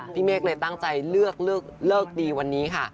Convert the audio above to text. เมฆเลยตั้งใจเลือกเลิกดีวันนี้ค่ะ